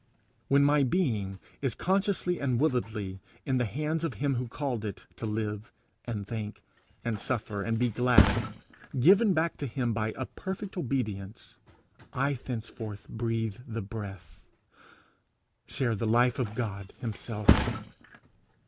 When my being is consciously and willedly in the hands of him who called it to live and think and suffer and be glad given back to him by a perfect obedience I thenceforward breathe the breath, share the life of God himself.